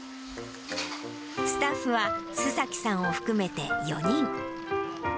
スタッフは周崎さんを含めて４人。